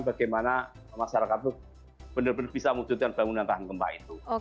bagaimana masyarakat itu benar benar bisa mewujudkan bangunan tahan gempa itu